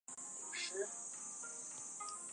非甾体抗雄药不会降低雌激素水平。